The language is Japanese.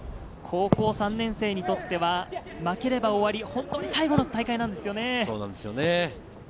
高校３年生にとっては、負ければ終わり、本当に最後の大会なんですよね。